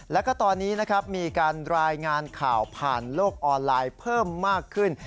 แล้วก็ตอนนี้นะครับมีการรายงานข่าวผ่านโลกออนไลน์เพิ่มมากขึ้น